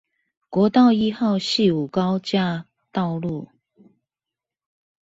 國道一號汐五高架道路